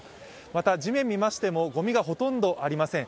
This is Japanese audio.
また、地面を見ましてもごみがほとんどありません。